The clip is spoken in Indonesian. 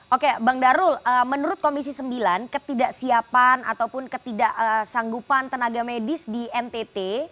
oke bang darul menurut komisi sembilan ketidaksiapan ataupun ketidaksanggupan tenaga medis di ntt